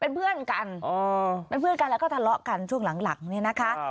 เป็นเพื่อนกันเป็นเพื่อนกันแล้วก็ทะเลาะกันช่วงหลังเนี่ยนะคะ